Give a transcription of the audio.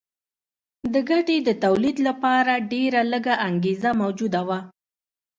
د ګټې د تولید لپاره ډېره لږه انګېزه موجوده وه